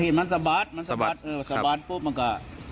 เห็นมันสะบาดสะบาดปุ๊บมันก็